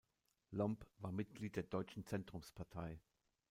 Lomb war Mitglied der Deutschen Zentrumspartei.